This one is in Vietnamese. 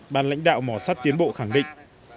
bàn lãnh đạo mò sắt tiến bộ khẳng định